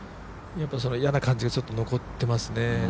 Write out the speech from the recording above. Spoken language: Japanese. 嫌な感じがちょっと残っていますね。